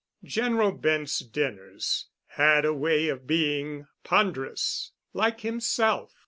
General Bent's dinners had a way of being ponderous—like himself.